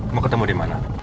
mau ketemu dimana